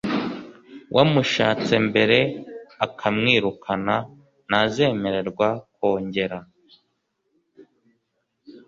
Wamushatse mbere akamwirukana ntazemererwa kongera